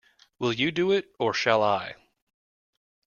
Will you do it, or shall I?